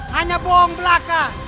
hanya bohong belaka